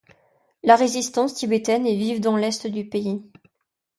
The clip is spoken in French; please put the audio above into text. La résistance tibétaine est vive dans l'est du pays.